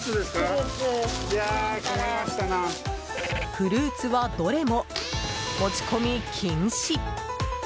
フルーツはどれも持ち込み禁止。